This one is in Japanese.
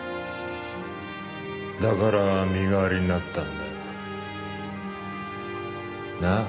だから身代わりになったんだ。なあ？